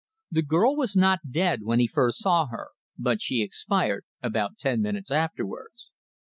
The girl was not dead when he first saw her, but she expired about ten minutes afterwards.